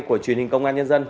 của truyền hình công ty